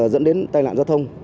dẫn đến tai nạn giao thông